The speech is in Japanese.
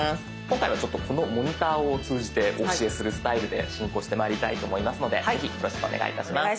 今回はこのモニターを通じてお教えするスタイルで進行してまいりたいと思いますのでぜひよろしくお願いいたします。